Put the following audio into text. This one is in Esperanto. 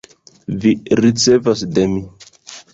Vi ricevas de mi